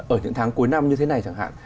ở những tháng cuối năm như thế này chẳng hạn